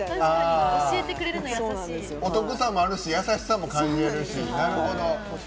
お得感もあるし優しさも感じられるし。